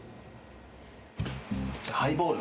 ハイボール。